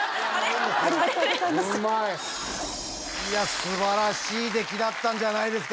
素晴らしい出来だったんじゃないですか？